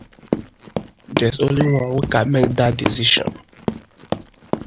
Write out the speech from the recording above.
There is only one who can make that decision.